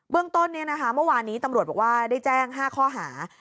เรื่องต้นเมื่อวานนี้ตำรวจบอกว่าได้แจ้ง๕ข้อหา